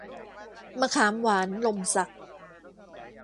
มะขามหวานหล่มสัก